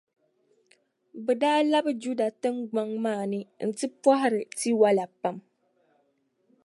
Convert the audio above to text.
bɛ daa labi Juda tiŋgbɔŋ maa ni nti pɔhiri tiwala pam.